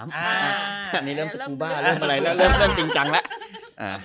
ดรามอ่าอันนี้เริ่มก็ปูบ้าเริ่มอะไรเนอะเริ่มเริ่มจริงจังแหละอ่า